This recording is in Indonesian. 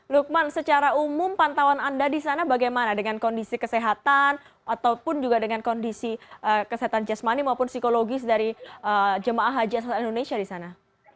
lukman secara umum pantauan anda di sana bagaimana dengan kondisi kesehatan ataupun juga dengan kondisi kesehatan jasmani maupun psikologis dari jemaah haji asal indonesia di sana